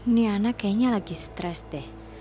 niana kayaknya lagi stress deh